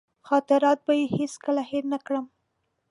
خاطرات به یې هېڅکله هېر نه کړم.